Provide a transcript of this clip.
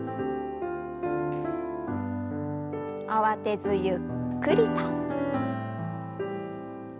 慌てずゆっくりと。